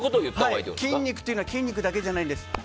筋肉っていうのは筋肉だけじゃないんです。